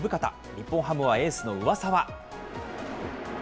日本ハムはエースの上沢。